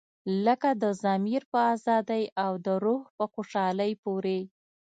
لکه د ضمیر په ازادۍ او د روح په خوشحالۍ پورې.